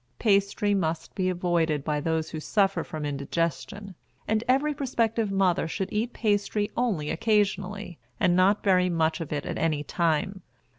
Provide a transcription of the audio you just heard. Pastry must be avoided by those who suffer from indigestion; and every prospective mother should eat pastry only occasionally, and not very much of it at any time.